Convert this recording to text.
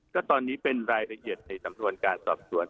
ก็ตอนนี้เป็นรายละเอียดในสำนวนการสอบสวน